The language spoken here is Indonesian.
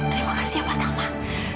terima kasih pak tamah